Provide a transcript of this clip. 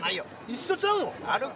一緒ちゃうの？